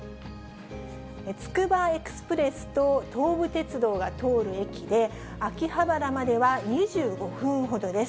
つくばエクスプレスと東武鉄道が通る駅で、秋葉原までは２５分ほどです。